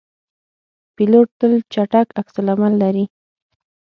پیلوټ تل چټک عکس العمل لري.